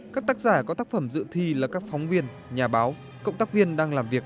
các tác giả có tác phẩm dự thi là các phóng viên nhà báo cộng tác viên đang làm việc